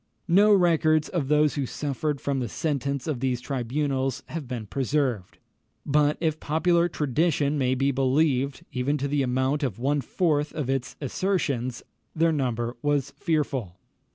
No records of those who suffered from the sentence of these tribunals have been preserved; but if popular tradition may be believed even to the amount of one fourth of its assertions, their number was fearful.